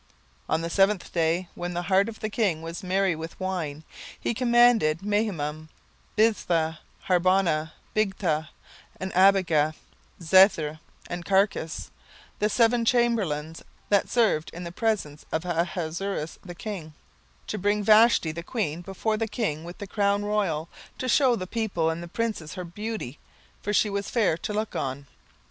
17:001:010 On the seventh day, when the heart of the king was merry with wine, he commanded Mehuman, Biztha, Harbona, Bigtha, and Abagtha, Zethar, and Carcas, the seven chamberlains that served in the presence of Ahasuerus the king, 17:001:011 To bring Vashti the queen before the king with the crown royal, to shew the people and the princes her beauty: for she was fair to look on.